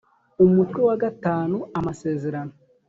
Umutwe wa v amasezerano